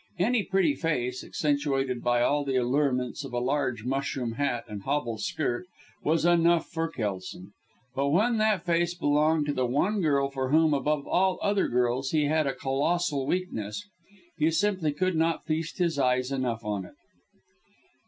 Any pretty face, accentuated by all the allurements of a large mushroom hat and hobble skirt, was enough for Kelson; but when that face belonged to the one girl for whom, above all other girls, he had a colossal weakness, he simply could not feast his eyes enough on it.